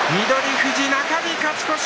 富士、中日勝ち越し。